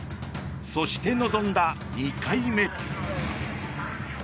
そして臨んだ２回目。